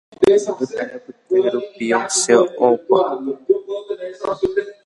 Pyharepyte rupi osẽ oupa heseve ka'unungáre.